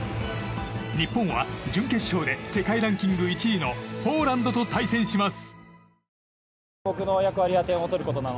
日本は準決勝で世界ランキング１位のポーランドと対戦します。